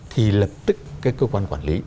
thì lập tức cái cơ quan quản lý